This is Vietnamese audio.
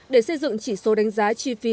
để xây dựng chỉ số đánh giá chi phí